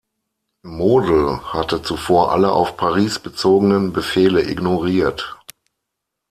Model hatte zuvor alle auf Paris bezogenen Befehle ignoriert.